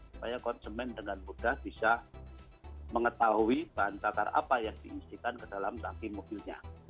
supaya konsumen dengan mudah bisa mengetahui bahan bakar apa yang diisikan ke dalam sangki mobilnya